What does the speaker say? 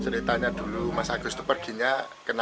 mas agus mengapa pergi ke sana